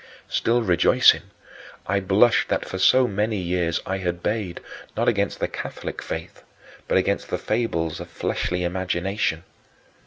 Still rejoicing, I blushed that for so many years I had bayed, not against the Catholic faith, but against the fables of fleshly imagination.